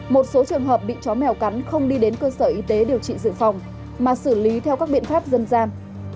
một số trường hợp bị chó mèo cắn không đi đến cơ sở y tế điều trị dự phòng mà xử lý theo các biện pháp dân gian